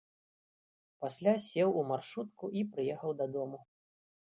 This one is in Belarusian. Пасля сеў у маршрутку і прыехаў дадому.